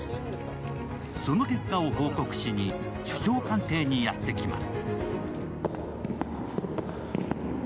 その結果を報告しに首相官邸にやってきます。